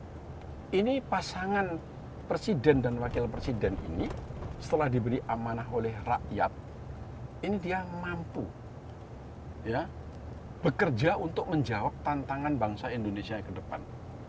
jadi pasangan presiden dan wakil presiden ini setelah diberi amanah oleh rakyat ini dia mampu ya bekerja untuk menjawab tantangan bangsa indonesia yang kedepan